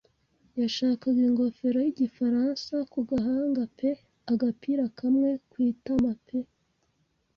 Yashakaga ingofero y’igifaransa ku gahanga pe agapira kamwe ku itama pe